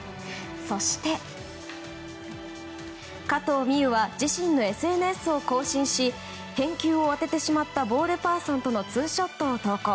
そして、加藤未唯は自身のＳＮＳを更新し返球を当ててしまったボールパーソンとのツーショットを投稿。